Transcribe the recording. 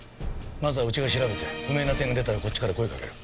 まずはうちが調べて不明な点が出たらこっちから声をかける。